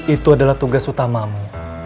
itu adalah tugas utamamu